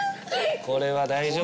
これは大丈夫？